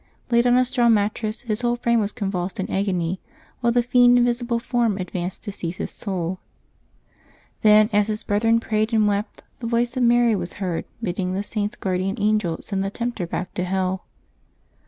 Laid on a straw mattress, his whole frame was convulsed in agony, while the fiend in visible form advanced to seize his soul. Then, as his brethren prayed and wept, the voice of Mary was heard, bidding the Saint's guardian angel send the tempter back to hell.